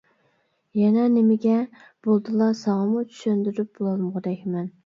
يەنە نېمىگە. بولدىلا ساڭىمۇ چۈشەندۈرۈپ بولالمىغۇدەكمەن.